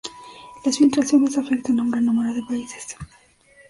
Las filtraciones afectan a un gran número de países.